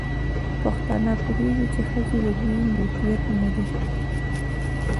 پښتانه پوهيږي، چې ښځې د دوی ملکيت نه دی